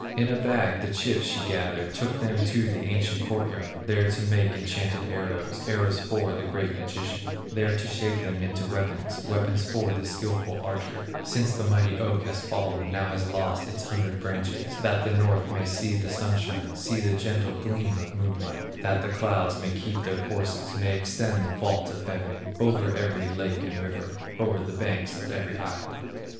In a bag the chips she gathered, Took them to the ancient court yard, There to make enchanted arrows, Arrows for the great magician, There to shape them into weapons, Weapons for the skilful archer, Since the mighty oak has fallen, Now has lost its hundred branches, That the North may see the sunshine, See the gentle gleam of moonlight, That the clouds may keep their courses, May extend the vault of heaven Over every lake and river, O'er the banks of every island.